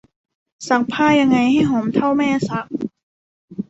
ซักผ้ายังไงให้หอมเท่าแม่ซัก